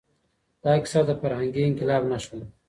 دا کیسه د فرهنګي انقلاب نښه ده.